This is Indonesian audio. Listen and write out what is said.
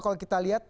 kalau kita lihat